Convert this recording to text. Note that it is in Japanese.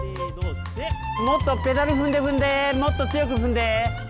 もっとペダル踏んで踏んでもっと強く踏んで。